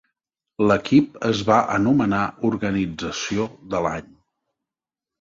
L'equip es va anomenar "Organització de l'Any"